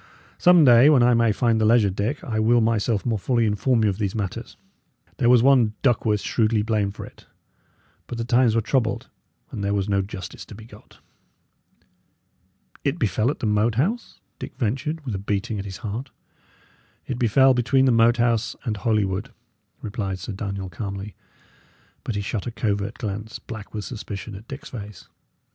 Some day, when I may find the leisure, Dick, I will myself more fully inform you of these matters. There was one Duckworth shrewdly blamed for it; but the times were troubled, and there was no justice to be got." "It befell at the Moat House?" Dick ventured, with a beating at his heart. "It befell between the Moat House and Holywood," replied Sir Daniel, calmly; but he shot a covert glance, black with suspicion, at Dick's face.